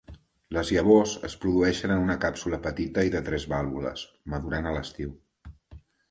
Les llavors es produeixen en una càpsula petita i de tres vàlvules, madurant a l'estiu.